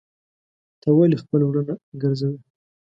ته ولي خپل وروڼه ګرځوې.